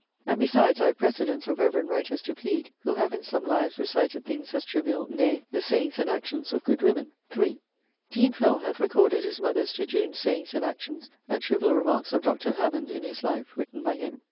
And besides I have precedents of reverend writers to plead, who have in some lives[III.] recited things as triviall, nay, the sayings and actions of good woemen. [III.] Dean Fell hath recorded his mother's jejune sayings and actions and triviall remarques of Dr. Hammond in his life, written by him.